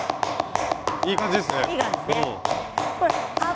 いい感じですね。